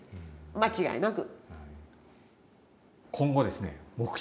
間違いなく。